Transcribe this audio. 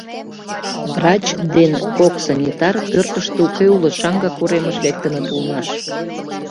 Врач ден кок санитар пӧртыштӧ уке улыт, шаҥгак уремыш лектыныт улмаш.